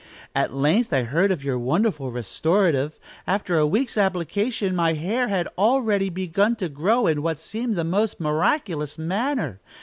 At length I heard of your wonderful restorative. After a week's application, my hair had already begun to grow in what seemed the most miraculous manner.